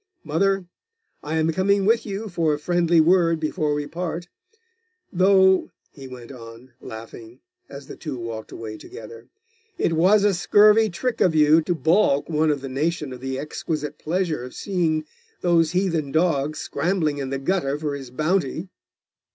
Mother, I am coming with you for a friendly word before we part, though' he went on, laughing, as the two walked away together, 'it was a scurvy trick of you to balk one of The Nation of the exquisite pleasure of seeing those heathen dogs scrambling in the gutter for his bounty.